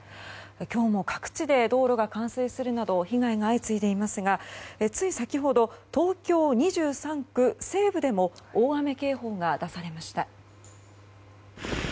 今日も各地で道路が冠水するなど被害が相次いていますがつい先ほど東京２３区西部でも大雨警報が出されました。